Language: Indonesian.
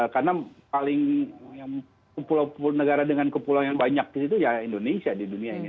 karena paling yang kepulauan dengan kepulauan yang banyak di situ ya indonesia di dunia ini